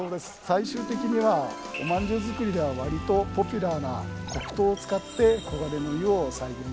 最終的にはおまんじゅう作りではわりとポピュラーな黒糖を使って「黄金の湯」を再現したんだそうです。